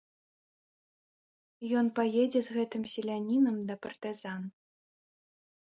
Ён паедзе з гэтым селянінам да партызан.